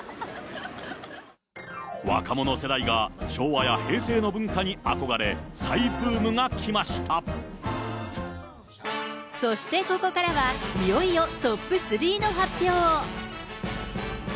若者世代が昭和や平成の文化に憧れ、そしてここからは、いよいよトップ３の発表。